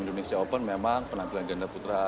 indonesia open memang penampilan ganda putra